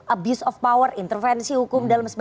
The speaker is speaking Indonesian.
abuse of power intervensi hukum dalam